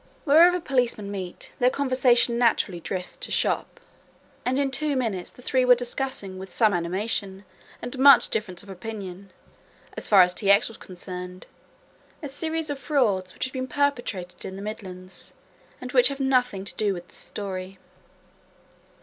Wherever policemen meet, their conversation naturally drifts to "shop" and in two minutes the three were discussing with some animation and much difference of opinion, as far as T. X. was concerned, a series of frauds which had been perpetrated in the Midlands, and which have nothing to do with this story.